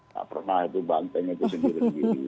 tak pernah itu banteng itu sendiri sendiri